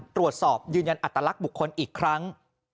ยืนยันอัตลักษณ์บุคคลอีกครั้ง